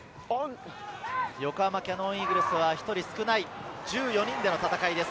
横浜キヤノンイーグルスは１人少ない１４人での戦いです。